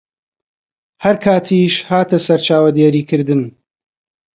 هەر کاتیش هاتە سەر چاودێریکردن